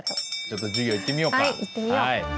ちょっと授業行ってみようか。